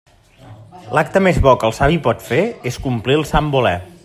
L'acte més bo que el savi pot fer és complir el sant voler.